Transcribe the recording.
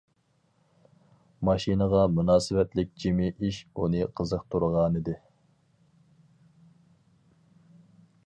ماشىنىغا مۇناسىۋەتلىك جىمى ئىش ئۇنى قىزىقتۇرغانىدى.